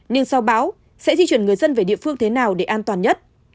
nhưng sao báo sẽ di chuyển người dân về địa phương thế nào để an toàn nhất